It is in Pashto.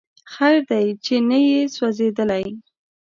خیر دی چې ته نه یې سوځېدلی